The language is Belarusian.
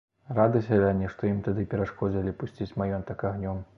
Рады сяляне, што ім тады перашкодзілі пусціць маёнтак агнём.